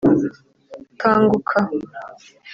Kanguka